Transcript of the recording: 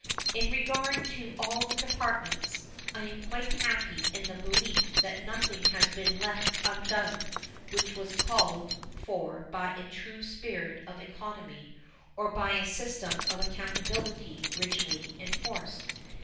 In regard to all the Departments, I am quite happy in the belief that nothing has been left undone which was called for by a true spirit of economy or by a system of accountability rigidly enforced.